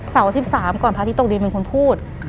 ๑๓ก่อนพระอาทิตย์ตกดินเป็นคนพูด